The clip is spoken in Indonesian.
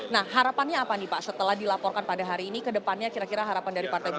nah harapannya apa nih pak setelah dilaporkan pada hari ini ke depannya kira kira harapan dari partai golkar